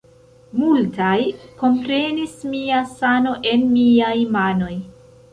Multaj komprenis mia sano en miaj manoj!